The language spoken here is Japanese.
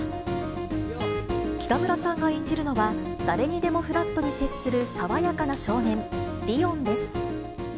北村さんが演じるのは、誰にでもフラットに接する爽やかな少年、リオンです。